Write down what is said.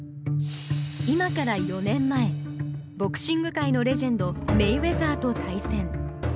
今から４年前ボクシング界のレジェンドメイウェザーと対戦。